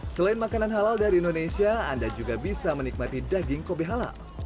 selain makanan halal dari indonesia anda juga bisa menikmati daging kobe halal